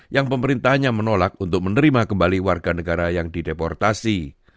yang pemerintahnya menolak untuk menerima kembali warga negara yang dideportasi